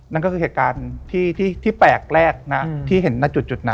นั่นก็คือเหตุการณ์ที่แปลกแรกนะที่เห็นณจุดนั้น